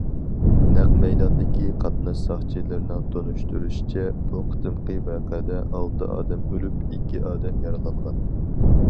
نەق مەيداندىكى قاتناش ساقچىلىرىنىڭ تونۇشتۇرۇشىچە، بۇ قېتىمقى ۋەقەدە ئالتە ئادەم ئۆلۈپ، ئىككى ئادەم يارىلانغان.